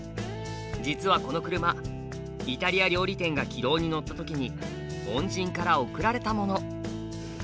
実はこの車イタリア料理店が軌道に乗った時に恩人から贈られたもの。